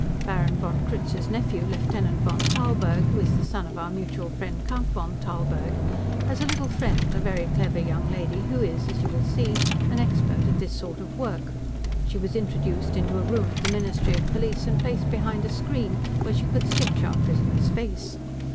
Baron von Krutz's nephew, Lieutenant von Tarlburg, who is the son of our mutual friend Count von Tarlburg, has a little friend, a very clever young lady who is, as you will see, an expert at this sort of work: she was introduced into a room at the Ministry of Police and placed behind a screen, where she could sketch our prisoner's face.